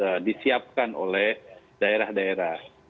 sudah disiapkan oleh daerah daerah